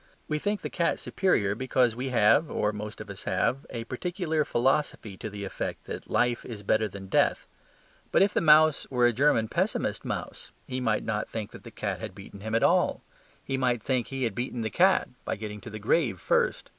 We think the cat superior because we have (or most of us have) a particular philosophy to the effect that life is better than death. But if the mouse were a German pessimist mouse, he might not think that the cat had beaten him at all. He might think he had beaten the cat by getting to the grave first.